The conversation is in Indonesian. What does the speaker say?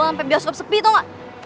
ampe bioskop sepi tau gak